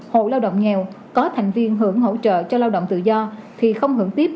hộ lao động nghèo có thành viên hưởng hỗ trợ cho lao động tự do thì không hưởng tiếp